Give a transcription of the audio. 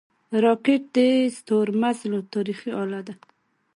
راکټ د ستورمزلو تاریخي اله ده